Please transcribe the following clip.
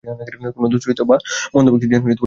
কোন দুশ্চরিত্র বা মন্দ ব্যক্তি যেন উহা স্পর্শ না করে।